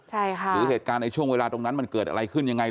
ใช่ค่ะหรือเหตุการณ์ในช่วงเวลาตรงนั้นมันเกิดอะไรขึ้นยังไง